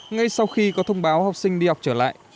ngay sau khi có thông báo học sinh đi học trở lại